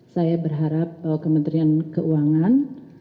saya berharap kementerian keuangan